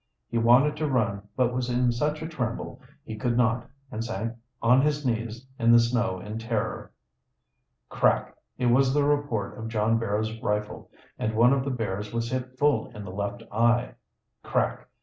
He wanted to run, but he was in such a tremble he could not, and sank on his knees in the snow in terror. Crack! It was the report of John Barrow's rifle, and one of the bears was hit full in the left eye. Crack!